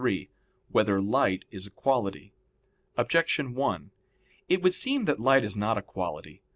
3] Whether Light Is a Quality? Objection 1: It would seem that light is not a quality.